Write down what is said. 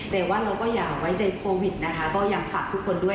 แต่ว่าเราก็อย่าไว้ใจโควิดนะคะก็ยังฝากทุกคนด้วย